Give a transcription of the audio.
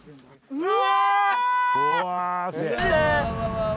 うわ！